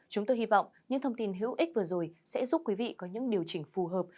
chúng tôi hy vọng những thông tin hữu ích vừa rồi sẽ giúp quý vị có những điều chỉnh phù hợp